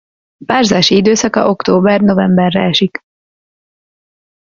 Párzási időszaka október-novemberre esik.